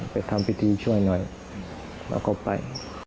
ไปทำพิธีช่วยหน่อยแล้วก็ไป